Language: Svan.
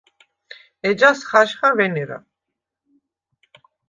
ეჯას ხაჟხა ვენერა.